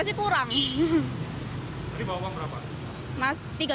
jadi bawa uang berapa